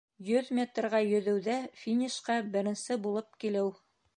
Йөҙ метрға йөҙөүҙә финишҡа беренсе булып килеү